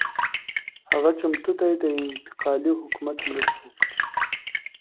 هغه چمتو دی د انتقالي حکومت مرسته وکړي.